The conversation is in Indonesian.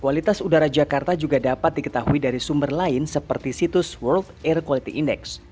kualitas udara jakarta juga dapat diketahui dari sumber lain seperti situs world air quality index